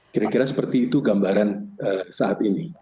kira kira seperti itu gambaran saat ini